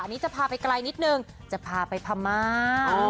อันนี้จะพาไปไกลนิดนึงจะพาไปพม่า